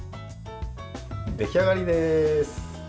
出来上がりです。